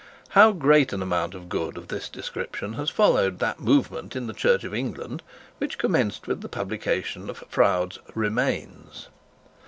How great an amount of good of this description has followed that movement of the Church of England which commenced with the publication of Froude's Remains!